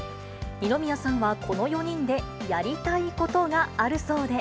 二宮さんはこの４人でやりたいことがあるそうで。